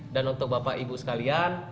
dan untuk bapak ibu sekalian